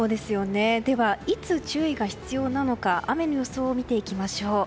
では、いつ注意が必要なのか雨の予想を見ていきましょう。